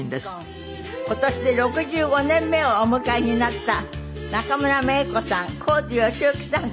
今年で６５年目をお迎えになった中村メイコさん神津善行さん